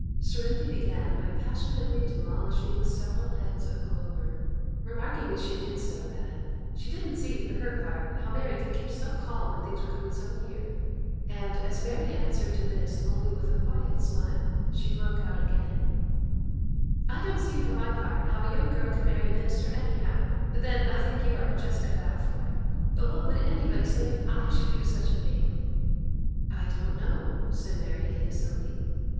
Cerinthy began by passionately demolishing several heads of clover, remarking as she did so that 'she didn't see, for her part, how Mary could keep so calm when things were coming so near;' and as Mary answered to this only with a quiet smile, she broke out again:— 'I don't see, for my part, how a young girl could marry a minister anyhow; but then I think you are just cut out for it. But what would anybody say if I should do such a thing?' 'I don't know,' said Mary, innocently.